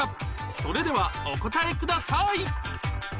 それではお答えください